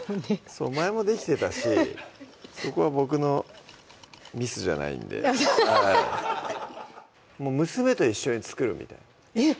そう前もできてたしそこはボクのミスじゃないんでもう娘と一緒に作るみたいなえっ